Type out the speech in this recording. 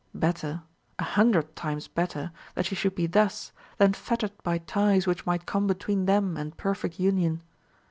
Better, a hundred times better, that she should be thus, than fettered by ties which might come between them and perfect union.